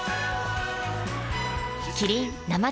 キリン「生茶」